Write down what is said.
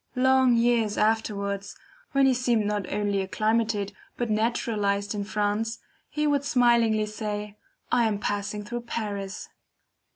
Long years afterwards, when he seemed not only acclimated, but naturalized in France, he would smilingly say: I am "passing through Paris."